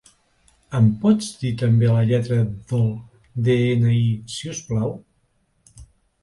Em pots dir també la lletra del de-ena-i, si us plau?